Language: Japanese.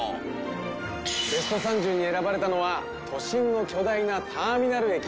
ベスト３０に選ばれたのは都心の巨大なターミナル駅。